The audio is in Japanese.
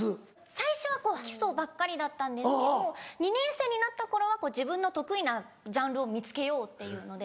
最初は基礎ばっかりだったんですけど２年生になった頃は自分の得意なジャンルを見つけようっていうので。